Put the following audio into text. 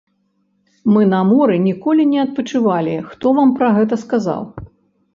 Мы на моры ніколі не адпачывалі, хто вам пра гэта сказаў?